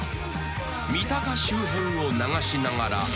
［三鷹周辺を流しながら］